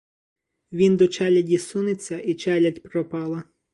Він до челяді сунеться, — і челядь пропала.